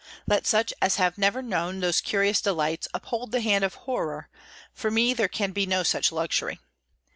Let such as have never known those curious delights, uphold the hand of horror—for me there can be no such luxury.